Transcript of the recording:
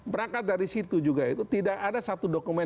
berangkat dari situ juga itu tidak ada satu dokumen